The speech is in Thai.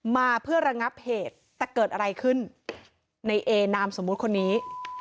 มาเพื่อระงับเหตุแต่เกิดอะไรขึ้นในเอนามสมมุติคนนี้